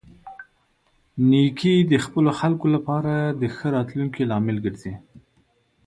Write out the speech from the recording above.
نیکه د خپلو خلکو لپاره د ښه راتلونکي لامل ګرځي.